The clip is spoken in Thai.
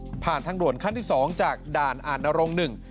โทษภาพชาวนี้ก็จะได้ราคาใหม่